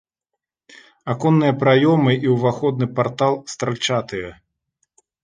Аконныя праёмы і ўваходны партал стральчатыя.